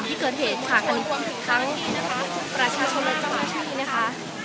ที่เกิดเหตุค่ะอันนี้ถึงทั้งประชาชนและเจ้าหน้าพี่นะคะ